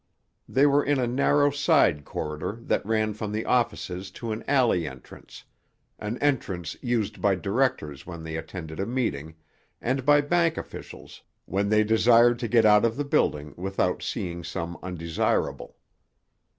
They were in a narrow side corridor that ran from the offices to an alley entrance—an entrance used by directors when they attended a meeting, and by bank officials when they desired to get out of the building without seeing some undesirable.